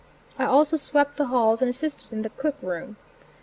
I also swept the halls and assisted in the cook room.